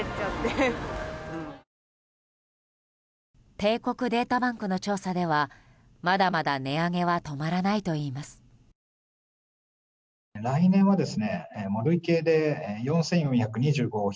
帝国データバンクの調査ではまだまだ値上げは止まらないといいます。